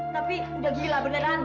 tapi udah gila beneran